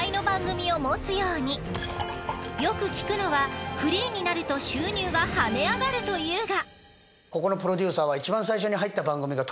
よく聞くのはフリーになると収入がハネ上がるというが。